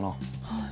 はい。